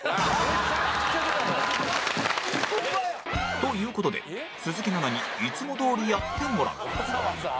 という事で鈴木奈々にいつもどおりやってもらう